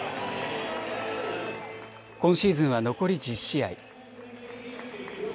今シーズンは残り１０試合。